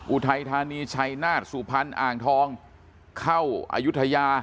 อุทัยธานีชัยนาฏสุพรรณอ่างทองเข้าอายุทยา